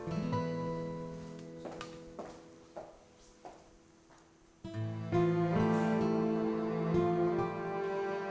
pasti mau marah